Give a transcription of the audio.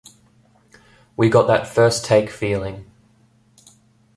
We got that first take feeling.